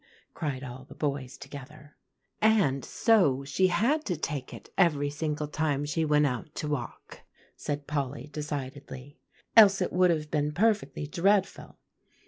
cried all the boys together. "And so she had to take it every single time she went out to walk," said Polly decidedly, "else it would have been perfectly dreadful.